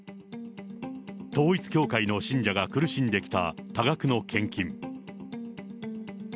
統一教会の信者が苦しんできた多額の献金。